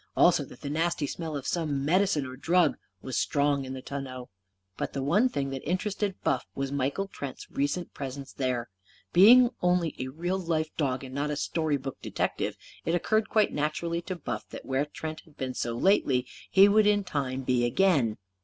Also that the nasty smell of some medicine or drug was strong in the tonneau. But the one thing that interested Buff was Michael Trent's recent presence there. Being only a real life dog and not a story book detective, it occurred quite naturally to Buff that where Trent had so lately been, he would in time be again.